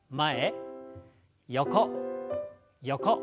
横横。